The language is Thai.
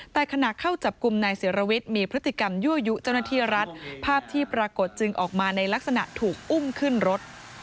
แต่ขณะเข้าจับกลุ่มนายศิรวิทย์มีพฤติกรรมยั่วยุเจ้าหน้าที่รัฐภาพที่ปรากฏจึงออกมาในลักษณะถูกอุ้มขึ้นรถ